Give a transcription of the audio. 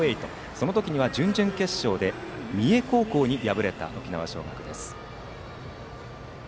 その時は準々決勝で三重高校に敗れた沖縄尚学です。